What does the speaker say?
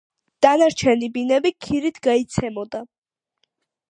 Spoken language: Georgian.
დანარჩენი ბინები ქირით გაიცემოდა.